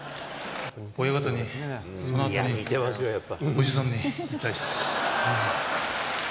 親方に、そのあとに叔父さんに言いたいです。